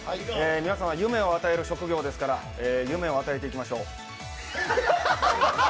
皆さんは夢を与える職業ですから、夢を与えていきましょう。